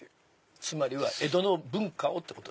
つまりは江戸の文化をってこと？